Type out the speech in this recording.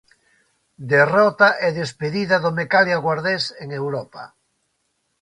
Derrota e despedida do Mecalia Guardés en Europa.